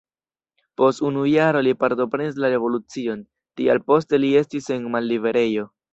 Post unu jaro li partoprenis la revolucion, tial poste li estis en malliberejo.